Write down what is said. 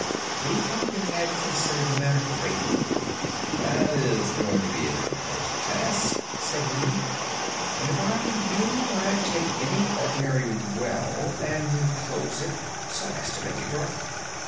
The Pumpkinhead considered the matter gravely. "That is going to be a difficult task," said he, "and if I were you I'd take any ordinary well and enclose it, so as to make it dark."